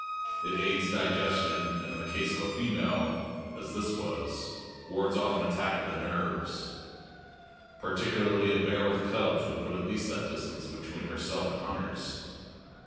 It aids digestion, and in case of a female, as this was, wards off an attack of the nerves. Particularly a bear with cubs would put at least that distance between herself and hunters.